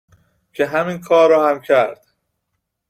که همین کار رو هم کرد